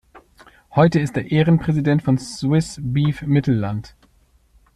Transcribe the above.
Heute ist er Ehrenpräsident von Swiss Beef Mittelland.